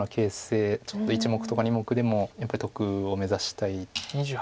ちょっと１目とか２目でもやっぱり得を目指したい。